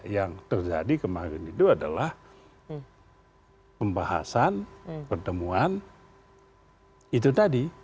yang terjadi kemarin itu adalah pembahasan pertemuan itu tadi